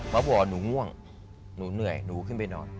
มาบอกหนูง่วงหนูเหนื่อยหนูขึ้นไปนอน